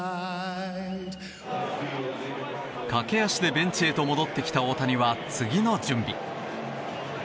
駆け足でベンチへと戻ってきた大谷は、次の準備。